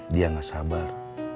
dia gak sabar